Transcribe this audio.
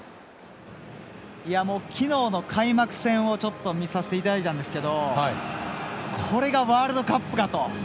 昨日の開幕戦を見させていただいたんですけどこれがワールドカップかと。